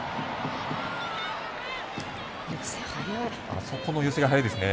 あそこの寄せが早いですね。